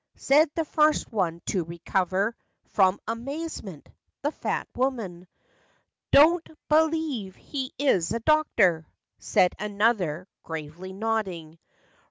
Said the first one to recover From amazement—the fat woman. " I do n't b'lieve he is a doctor! " Said another, gravely nodding.